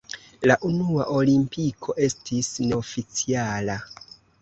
La unua Olimpiko estis neoficiala.